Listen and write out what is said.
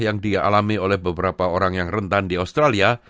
yang dialami oleh beberapa orang yang rentan di australia